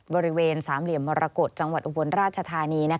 บริเวณสามเหลี่ยมมรกฏจังหวัดอุบลราชธานี